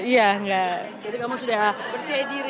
jadi kamu sudah percaya diri